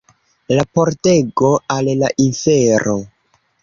La pordego al la infero